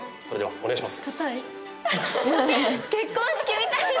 お願いします。